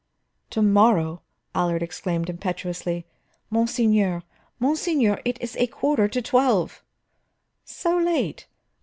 "To morrow!" Allard exclaimed impetuously. "Monseigneur, monseigneur, it is a quarter to twelve!" "So late?